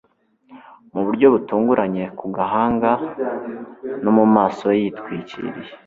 mu buryo butunguranye ku gahanga no mumaso ye yitwikiriye